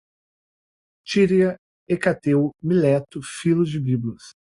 tíria, Hecateu, Mileto, Filo de Biblos